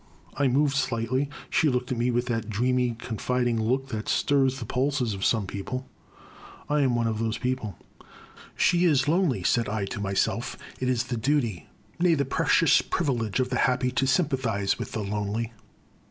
I moved slightly. She looked at me with that dreamy confiding look that stirs the pulses of some people. I am one of those people. The Crime. 273 "She is lonely," said I to myself, *' it is the duty — ^nay, the precious privilege of the happy to sympathize with the lonely.